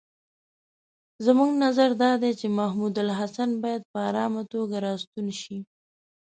زموږ نظر دا دی چې محمودالحسن باید په آرامه توګه را ستون شي.